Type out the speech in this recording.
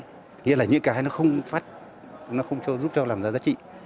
nghĩa là những cái nó không phát nó không cho giúp cho làm ra giá trị